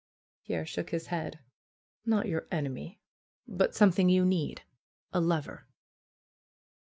Pierre shook his head. "Not your enemy; but some thing you need — a lover."